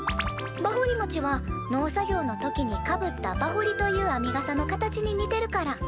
『ばほりもち』は農作業の時にかぶった『ばほり』という編みがさの形に似てるから。